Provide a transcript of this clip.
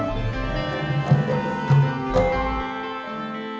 bintang menikmati menikmati